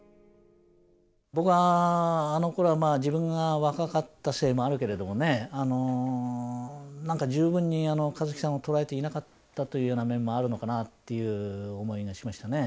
僕はあのころは自分が若かったせいもあるけれどもね何か十分に香月さんを捉えていなかったというような面もあるのかなっていう思いがしましたね。